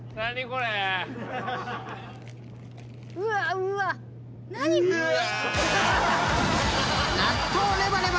うわうわ。